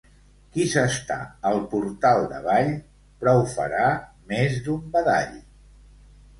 Qui s'està al portal d'Avall, prou farà més d'un badall.